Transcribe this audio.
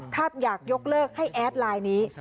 ถ้าอยากยกเลิกให้แอดไลน์นี้